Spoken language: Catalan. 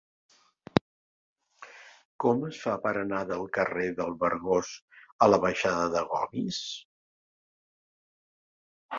Com es fa per anar del carrer dels Vergós a la baixada de Gomis?